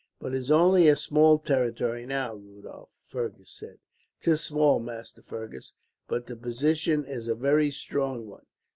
"But it is only a small territory now, Rudolph," Fergus said. "'Tis small, Master Fergus, but the position is a very strong one.